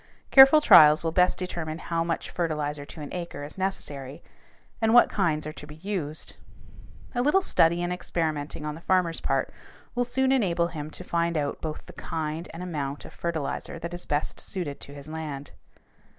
Careful trials will best determine how much fertilizer to an acre is necessary, and what kinds are to be used. A little study and experimenting on the farmer's part will soon enable him to find out both the kind and the amount of fertilizer that is best suited to his land.